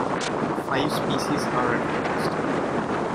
Five species are recognized.